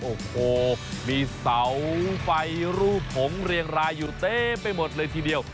โอ้โหมีเสาไฟรูปผงเรียงรายอยู่เต็มไปหมดเลยทีเดียว